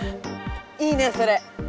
いいねえそれ！